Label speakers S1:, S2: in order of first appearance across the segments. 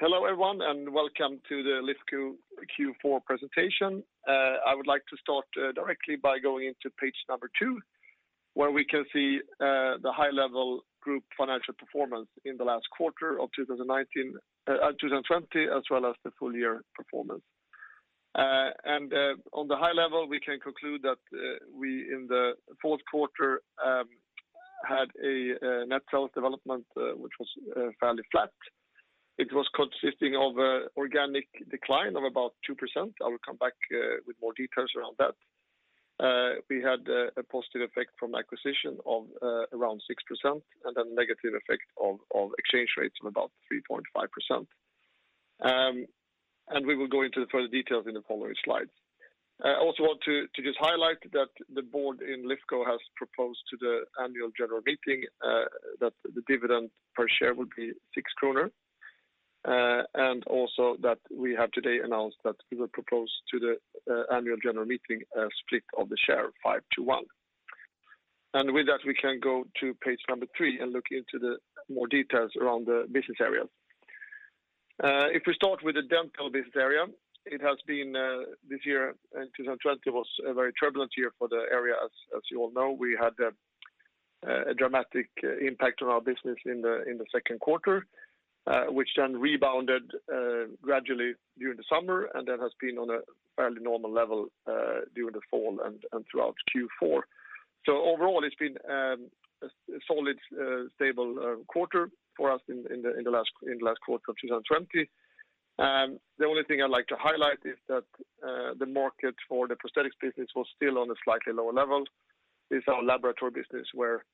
S1: Hello, everyone, and welcome to the Lifco Q4 Presentation. I would like to start directly by going into page number two, where we can see the high-level group financial performance in the last quarter of 2020, as well as the full-year performance. On the high level, we can conclude that we, in the fourth quarter, had a net sales development which was fairly flat. It was consisting of organic decline of about 2%. I will come back with more details around that. We had a positive effect from acquisition of around 6% and a negative effect of exchange rates of about 3.5%. We will go into the further details in the following slides. I also want to just highlight that the board in Lifco has proposed to the annual general meeting that the dividend per share would be 6 kronor. Also that we have today announced that we will propose to the annual general meeting a split of the share of 5:1. With that, we can go to page number three and look into the more details around the business area. If we start with the Dental Business Area, it has been this year, 2020, was a very turbulent year for the area as you all know. We had a dramatic impact on our business in the second quarter, which then rebounded gradually during the summer, and that has been on a fairly normal level during the fall and throughout Q4. Overall, it's been a solid stable quarter for us in the last quarter of 2020. The only thing I'd like to highlight is that the market for the prosthetics business was still on a slightly lower level. It's our laboratory business where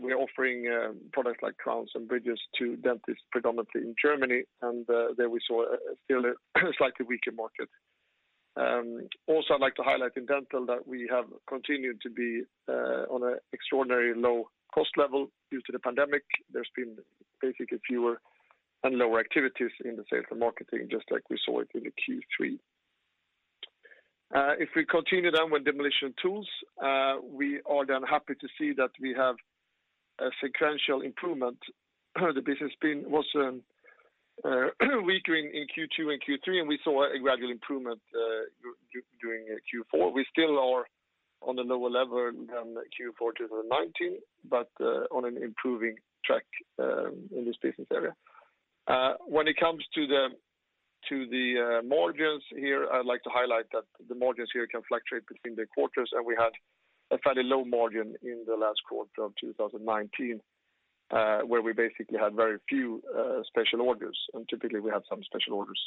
S1: we're offering products like crowns and bridges to dentists predominantly in Germany. There we saw still a slightly weaker market. I'd like to highlight in dental that we have continued to be on an extraordinarily low cost level due to the pandemic. There's been basically fewer and lower activities in the sales and marketing, just like we saw it in the Q3. If we continue then with Demolition & Tools, we are then happy to see that we have a sequential improvement. The business was weaker in Q2 and Q3. We saw a gradual improvement during Q4. We still are on a lower level than Q4 2019, on an improving track in this business area. When it comes to the margins here, I'd like to highlight that the margins here can fluctuate between the quarters, and we had a fairly low margin in the last quarter of 2019, where we basically had very few special orders, and typically we had some special orders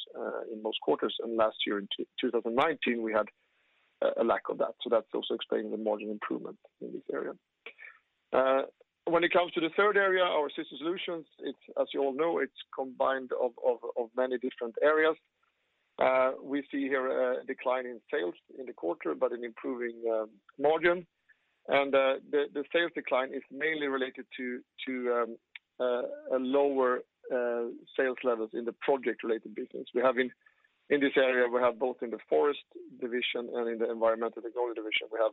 S1: in most quarters. Last year in 2019, we had a lack of that, so that's also explaining the margin improvement in this area. When it comes to the third area, our Systems Solutions, as you all know, it's combined of many different areas. We see here a decline in sales in the quarter, but an improving margin. The sales decline is mainly related to lower sales levels in the project-related business. In this area, we have both in the forest division and in the environmental and garden division. We have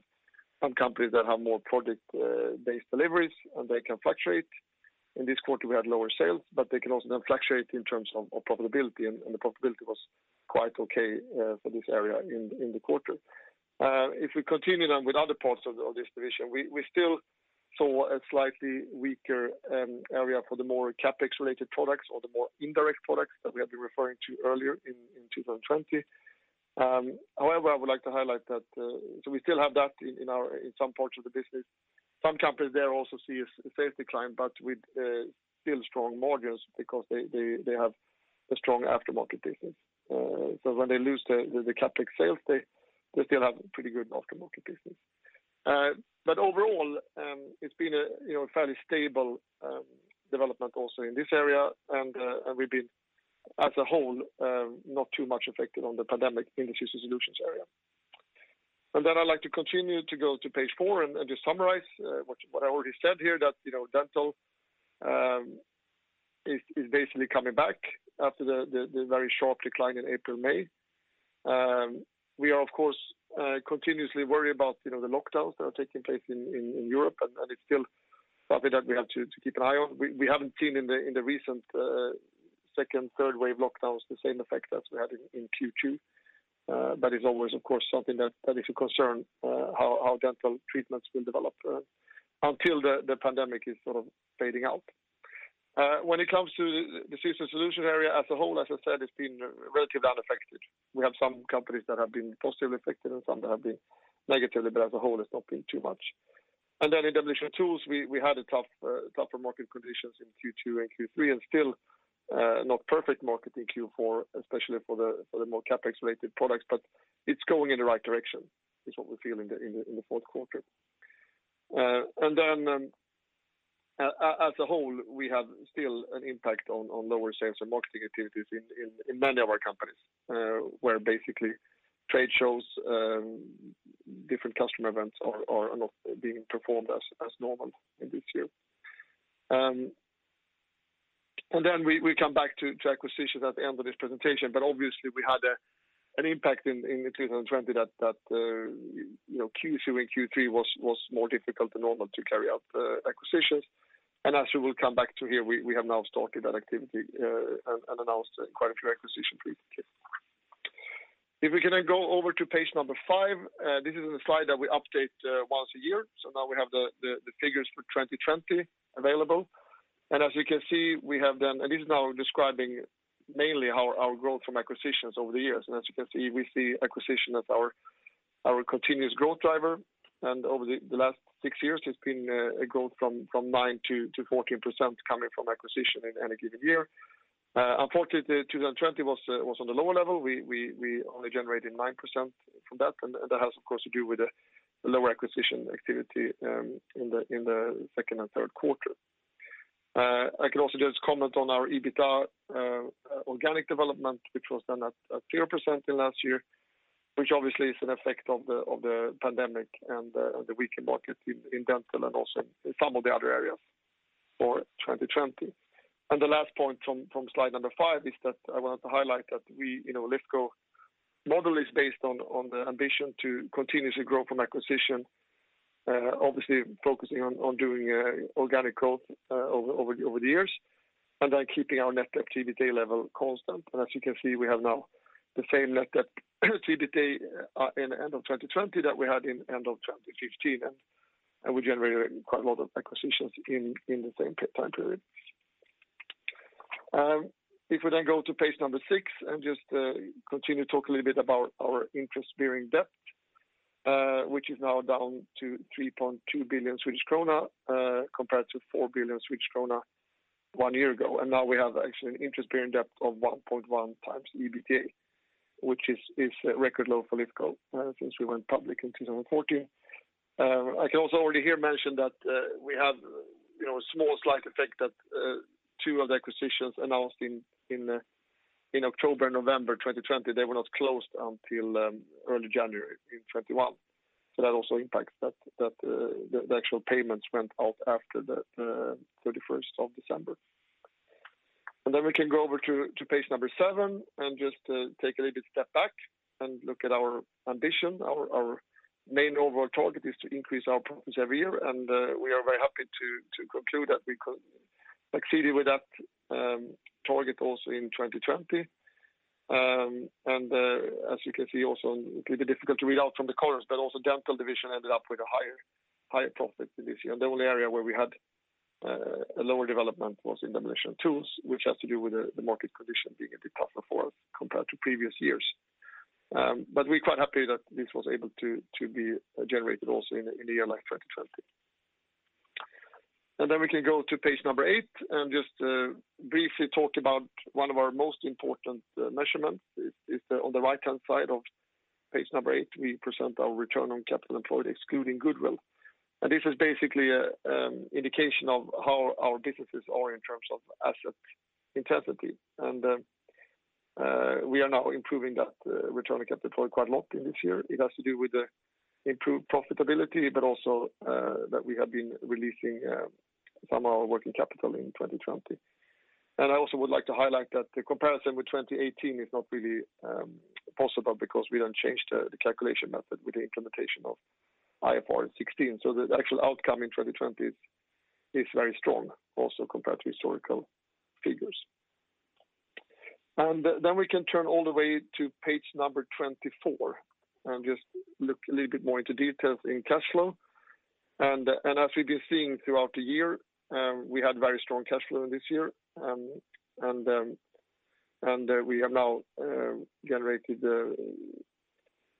S1: some companies that have more project-based deliveries, and they can fluctuate. In this quarter, we had lower sales, but they can also then fluctuate in terms of profitability, and the profitability was quite okay for this area in the quarter. If we continue then with other parts of this division, we still saw a slightly weaker area for the more CapEx related products or the more indirect products that we have been referring to earlier in 2020. However, I would like to highlight that we still have that in some parts of the business. Some companies there also see a sales decline, but with still strong margins because they have a strong aftermarket business. When they lose the CapEx sales, they still have pretty good aftermarket business. Overall, it's been a fairly stable development also in this area, and we've been as a whole, not too much affected on the pandemic in the Systems Solutions area. Then I'd like to continue to go to page four and just summarize what I already said here, that Dental is basically coming back after the very sharp decline in April, May. We are, of course, continuously worried about the lockdowns that are taking place in Europe, and it's still something that we have to keep an eye on. We haven't seen in the recent second, third wave lockdowns the same effect as we had in Q2. That is always, of course, something that is a concern how Dental treatments will develop until the pandemic is sort of fading out. When it comes to the Systems Solutions area as a whole, as I said, it's been relatively unaffected. We have some companies that have been positively affected and some that have been negatively, but as a whole, it's not been too much. In Demolition & Tools, we had a tougher market conditions in Q2 and Q3, and still not perfect market in Q4, especially for the more CapEx related products. It's going in the right direction, is what we feel in the fourth quarter. As a whole, we have still an impact on lower sales and marketing activities in many of our companies where basically trade shows, different customer events are not being performed as normal in this year. We come back to acquisitions at the end of this presentation, but obviously we had an impact in 2020 that Q2 and Q3 was more difficult than normal to carry out the acquisitions. As we will come back to here, we have now started that activity, and announced quite a few acquisitions previously. We can then go over to page number five, this is a slide that we update once a year, so now we have the figures for 2020 available. As you can see, this is now describing mainly our growth from acquisitions over the years. As you can see, we see acquisition as our continuous growth driver. Over the last six years, it's been a growth from 9% to 14% coming from acquisition in any given year. Unfortunately, 2020 was on the lower level. We only generated 9% from that, and that has, of course, to do with the lower acquisition activity in the second and third quarter. I can also just comment on our EBITA organic development, which was done at 0% in last year, which obviously is an effect of the pandemic and the weaker market in dental and also in some of the other areas for 2020. The last point from slide number five is that I wanted to highlight that Lifco model is based on the ambition to continuously grow from acquisition. Obviously focusing on doing organic growth over the years, and then keeping our net debt to EBITDA level constant. As you can see, we have now the same net debt to EBITDA in the end of 2020 that we had in end of 2015. We generated quite a lot of acquisitions in the same time period. If we go to page six just continue to talk a little bit about our interest-bearing debt, which is now down to 3.2 billion Swedish krona, compared to 4 billion Swedish krona one year ago. Now we have actually an interest-bearing debt of 1.1x EBITDA, which is a record low for Lifco since we went public in 2014. I can also already here mention that we have a small slight effect that two of the acquisitions announced in October and November 2020, they were not closed until early January in 2021. That also impacts that the actual payments went out after the 31st of December. We can go over to page seven and just take a little bit step back and look at our ambition. Our main overall target is to increase our profits every year, and we are very happy to conclude that we succeeded with that target also in 2020. As you can see also, it can be difficult to read out from the colors, but also Dental division ended up with a higher profit this year. The only area where we had a lower development was in the Demolition & Tools, which has to do with the market condition being a bit tougher for us compared to previous years. We're quite happy that this was able to be generated also in the year like 2020. We can go to page number eight and just briefly talk about one of our most important measurements is on the right-hand side of page number eight. This is basically an indication of how our businesses are in terms of asset intensity. We are now improving that return on capital employed quite a lot in this year. It has to do with the improved profitability, but also that we have been releasing some of our working capital in 2020. I also would like to highlight that the comparison with 2018 is not really possible because we then changed the calculation method with the implementation of IFRS 16. The actual outcome in 2020 is very strong also compared to historical figures. We can turn all the way to page 24 and just look a little bit more into details in cash flow. As we've been seeing throughout the year, we had very strong cash flow in this year. We have now generated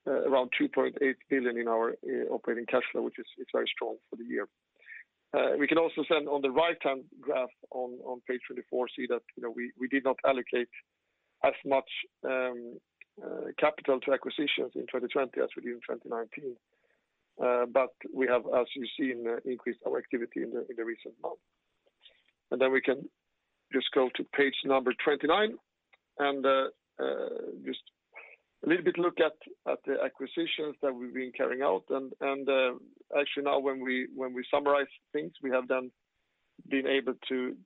S1: around 2.8 billion in our operating cash flow, which is very strong for the year. We can also then on the right-hand graph on page 24 see that we did not allocate as much capital to acquisitions in 2020 as we did in 2019. We have, as you see, increased our activity in the recent months. Then we can just go to page number 29 and just a little bit look at the acquisitions that we've been carrying out. Actually now when we summarize things, we have then been able to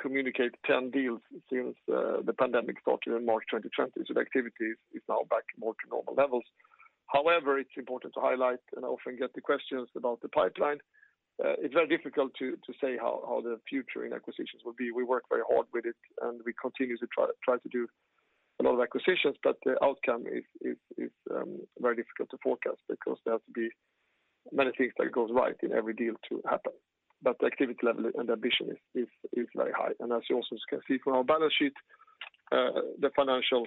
S1: communicate 10 deals since the pandemic started in March 2020. The activity is now back more to normal levels. However, it's important to highlight and I often get the questions about the pipeline. It's very difficult to say how the future in acquisitions will be. We work very hard with it, and we continue to try to do a lot of acquisitions, but the outcome is very difficult to forecast because there has to be many things that goes right in every deal to happen. The activity level and ambition is very high. As you also can see from our balance sheet, the financials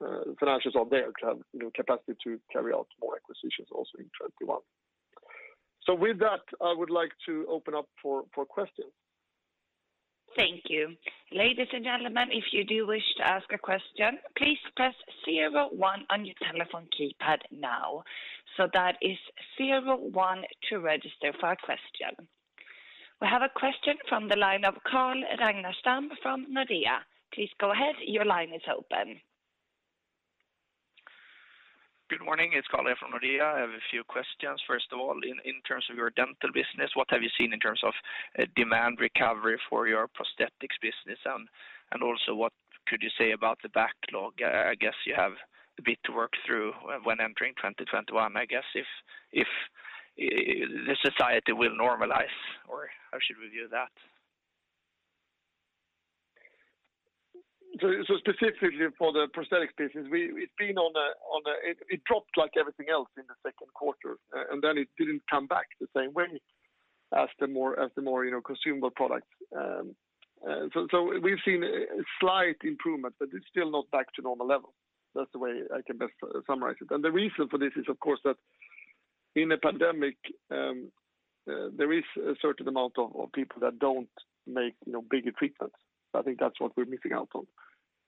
S1: are there to have capacity to carry out more acquisitions also in 2021. With that, I would like to open up for questions.
S2: Thank you. Ladies and gentlemen, if you do wish to ask a question, please press 01 on your telephone keypad now. We have a question from the line of Carl Ragnerstam from Nordea. Please go ahead. Your line is open.
S3: Good morning. It's Carl from Nordea. I have a few questions. First of all, in terms of your dental business, what have you seen in terms of demand recovery for your prosthetics business? Also what could you say about the backlog? I guess you have a bit to work through when entering 2021, I guess, if the society will normalize or how should we view that?
S1: Specifically for the prosthetics business, it dropped like everything else in the second quarter, and then it didn't come back the same way as the more consumable products. We've seen a slight improvement, but it's still not back to normal levels. That's the way I can best summarize it. The reason for this is, of course, that in a pandemic, there is a certain amount of people that don't make bigger treatments. I think that's what we're missing out on.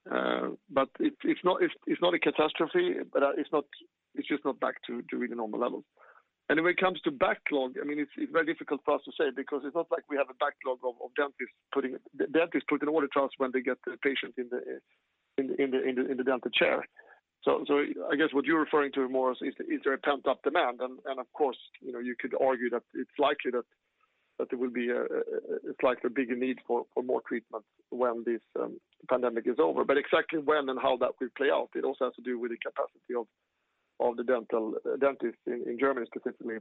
S1: It's not a catastrophe, but it's just not back to really normal levels. When it comes to backlog, it's very difficult for us to say because it's not like we have a backlog of dentists putting orders when they get the patient in the dental chair. I guess what you're referring to more is there a pent-up demand? Of course, you could argue that it's likely a bigger need for more treatments when this pandemic is over. Exactly when and how that will play out, it also has to do with the capacity of the dentists in Germany specifically,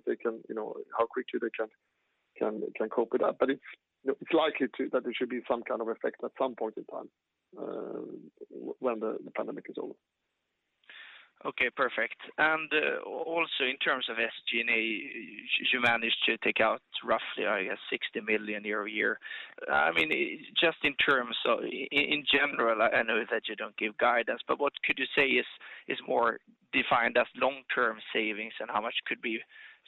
S1: how quickly they can cope with that. It's likely that there should be some kind of effect at some point in time when the pandemic is over.
S3: Okay, perfect. Also in terms of SG&A, you managed to take out roughly, I guess, 60 million year-over-year. Just in terms of in general, I know that you don't give guidance, but what could you say is more defined as long-term savings and how much could be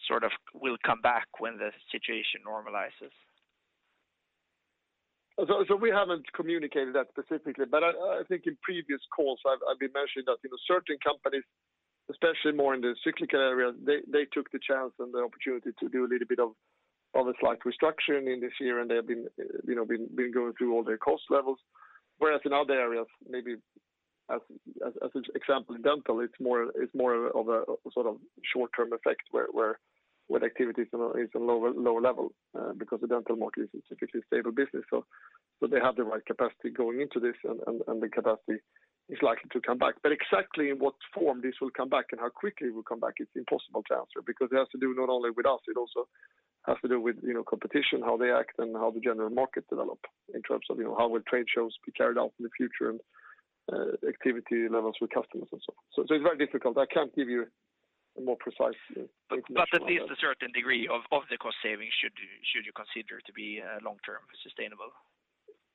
S3: sort of will come back when the situation normalizes?
S1: We haven't communicated that specifically, but I think in previous calls I've been mentioning that certain companies, especially more in the cyclical areas, they took the chance and the opportunity to do a little bit of a slight restructuring in this year, and they have been going through all their cost levels. Whereas in other areas, maybe as an example, in Dental, it's more of a sort of short-term effect where activity is a lower level because the Dental market is a typically stable business, so they have the right capacity going into this and the capacity is likely to come back. Exactly in what form this will come back and how quickly it will come back, it's impossible to answer because it has to do not only with us, it also has to do with competition, how they act, and how the general market develop in terms of how will trade shows be carried out in the future and activity levels with customers and so on. It's very difficult. I can't give you a more precise information on that.
S3: At least a certain degree of the cost savings should you consider to be long-term sustainable?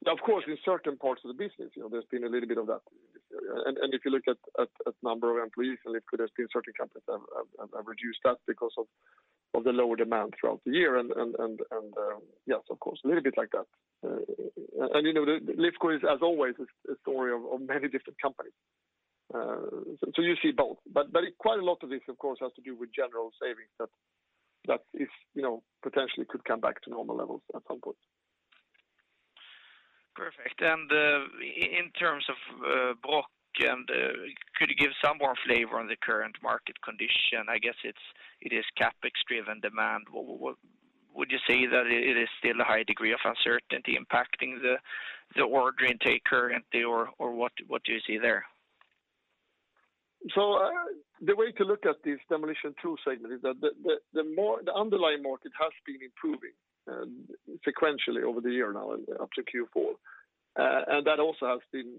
S1: Of course, in certain parts of the business, there's been a little bit of that. If you look at number of employees in Lifco, there's been certain companies that have reduced that because of the lower demand throughout the year, and yes, of course, a little bit like that. Lifco is, as always, a story of many different companies. You see both, but quite a lot of this, of course, has to do with general savings that potentially could come back to normal levels at some point.
S3: Perfect. In terms of Brokk, could you give some more flavor on the current market condition? I guess it is CapEx driven demand. Would you say that it is still a high degree of uncertainty impacting the order intake and the order, or what do you see there?
S1: The way to look at this Demolition & Tools segment is that the underlying market has been improving sequentially over the year now up to Q4, and that also has been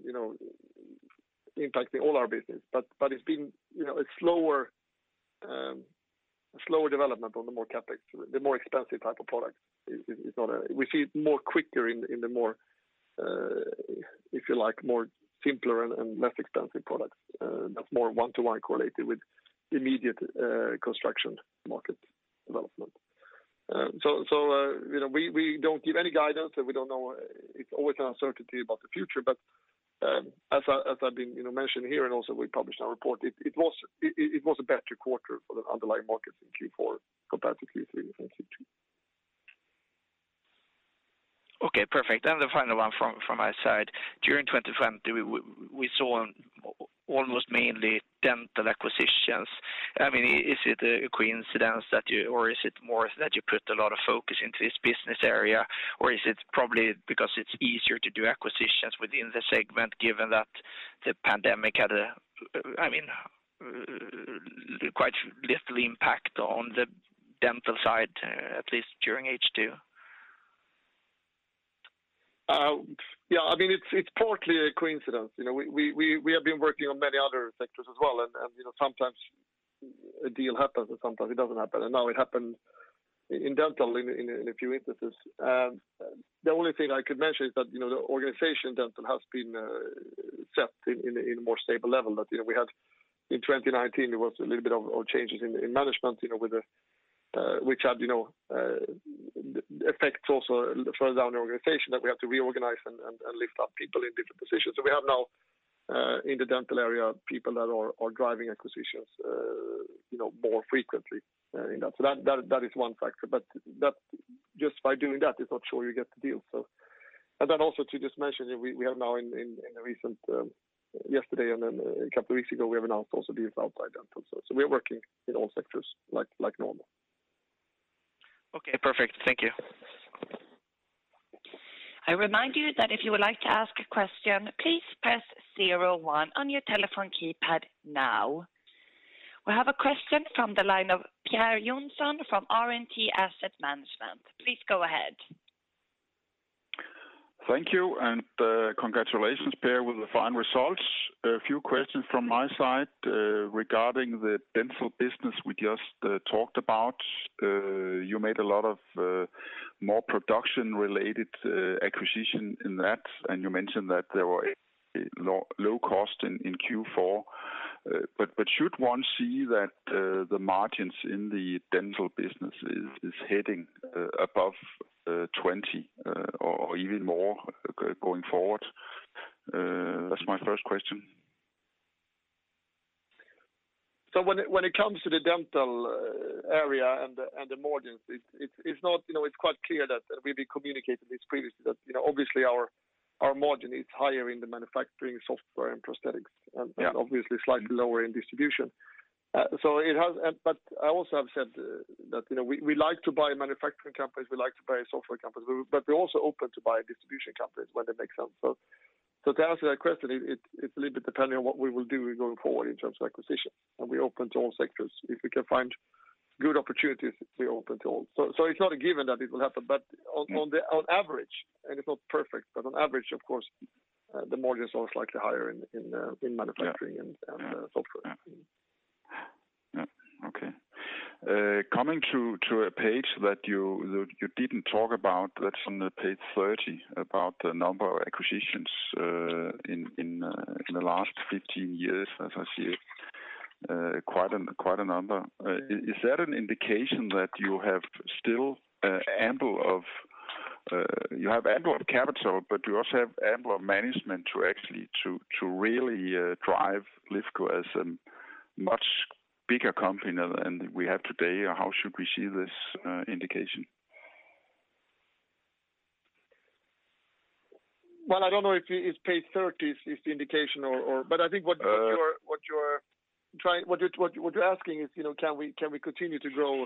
S1: impacting all our business. It's been a slower development on the more expensive type of products. We see it more quicker in the more, if you like, more simpler and less expensive products that's more one-to-one correlated with immediate construction market development. We don't give any guidance and we don't know. It's always an uncertainty about the future, but as I've been mentioning here and also we published our report, it was a better quarter for the underlying markets in Q4 compared to Q3 and Q2.
S3: Okay, perfect. The final one from my side. During 2020, we saw almost mainly Dental acquisitions. Is it a coincidence, or is it more that you put a lot of focus into this business area, or is it probably because it's easier to do acquisitions within the segment given that the pandemic had quite little impact on the Dental side, at least during 2H?
S1: Yeah, it's partly a coincidence. We have been working on many other sectors as well, and sometimes a deal happens and sometimes it doesn't happen, and now it happened in Dental in a few instances. The only thing I could mention is that the organization in Dental has been set in a more stable level. In 2019, there was a little bit of changes in management, which had effects also further down the organization that we had to reorganize and lift up people in different positions. We have now in the Dental area, people that are driving acquisitions more frequently. That is one factor. Just by doing that, it's not sure you get the deal. Also to just mention that we have now in the recent, yesterday and then a couple of weeks ago, we have announced also the Swallow Dental Supplies. We are working in all sectors like normal.
S3: Okay, perfect. Thank you.
S2: We have a question from the line of Pierre Johnson from RNT Asset Management. Please go ahead.
S4: Thank you, and congratulations, Per, with the fine results. A few questions from my side regarding the dental business we just talked about. You made a lot of more production-related acquisition in that, and you mentioned that there were low cost in Q4. Should one see that the margins in the dental business is heading above 20% or even more going forward? That's my first question.
S1: When it comes to the Dental area and the margins, it's quite clear that we've been communicating this previously, that obviously our margin is higher in the manufacturing software and prosthetics, and obviously slightly lower in distribution. I also have said that we like to buy manufacturing companies, we like to buy software companies, but we're also open to buy distribution companies when they make sense. To answer that question, it's a little bit depending on what we will do going forward in terms of acquisition, and we're open to all sectors. If we can find good opportunities, we're open to all. It's not a given that it will happen, but on average, and it's not perfect, but on average, of course, the margin is always slightly higher in manufacturing and software.
S4: Yeah. Okay. Coming to a page that you didn't talk about, that's on page 30, about the number of acquisitions in the last 15 years, as I see it, quite a number. Is that an indication that you have ample of capital, but you also have ample of management to actually really drive Lifco as a much bigger company than we have today, or how should we see this indication?
S1: I don't know if page 30 is the indication, but I think what you're asking is, can we continue to grow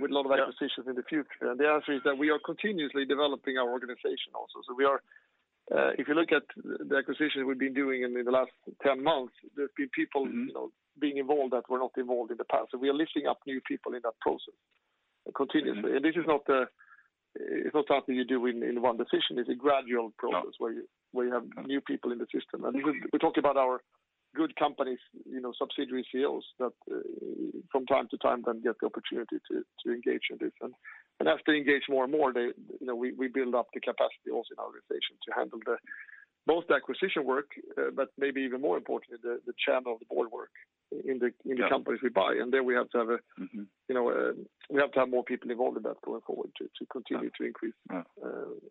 S1: with a lot of acquisitions in the future? The answer is that we are continuously developing our organization also. If you look at the acquisitions we've been doing in the last 10 months, there have been people being involved that were not involved in the past. We are lifting up new people in that process continuously. This is not something you do in one decision. It's a gradual process where you have new people in the system. We talk about our good companies subsidiary CEOs that from time to time then get the opportunity to engage in this. As they engage more and more, we build up the capacity also in our organization to handle both the acquisition work, but maybe even more importantly, the chairman of the board work in the companies we buy. There we have to have more people involved in that going forward to continue to increase our acquisition.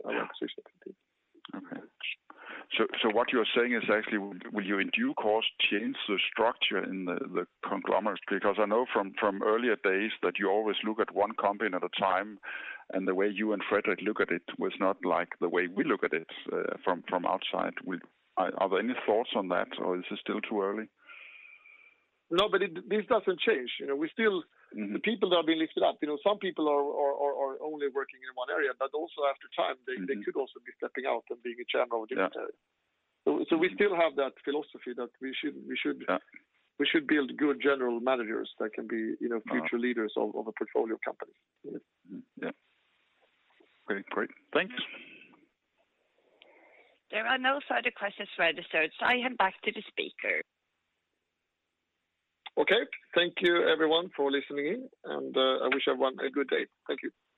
S4: Okay. What you're saying is actually will you in due course change the structure in the conglomerate? I know from earlier days that you always look at one company at a time, and the way you and Fredrik look at it was not like the way we look at it from outside. Are there any thoughts on that, or is it still too early?
S1: This doesn't change. The people that are being lifted up, some people are only working in one area, but also after time, they could also be stepping out and being a chairman or director. We still have that philosophy that we should build good general managers that can be future leaders of a portfolio company.
S4: Yeah. Great. Thanks.
S2: There are no further questions registered, so I hand back to the speaker.
S1: Okay. Thank you everyone for listening in. I wish everyone a good day. Thank you.